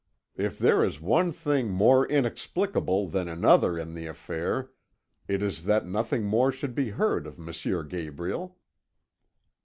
If there is one thing more inexplicable than another in the affair, it is that nothing more should be heard of M. Gabriel."